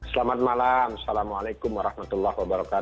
selamat malam assalamualaikum wr wb